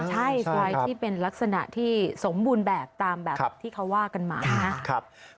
ใช่ใครที่เป็นลักษณะที่สมบูรณ์แบบตามแบบที่เขาว่ากันมานะครับ